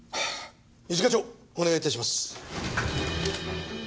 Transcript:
一課長お願い致します。